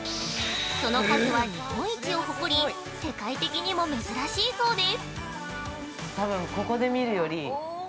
その数は日本一を誇り世界的にも珍しいそうです。